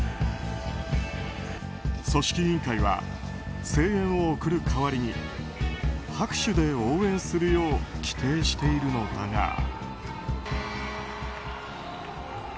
組織委員会は声援を送る代わりに拍手で応援するよう規定しているのだが。